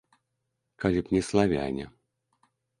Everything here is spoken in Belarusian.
Калі б не славяне.